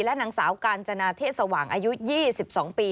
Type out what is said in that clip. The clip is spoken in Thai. และนางสาวกาญจนาเทศสว่างอายุ๒๒ปี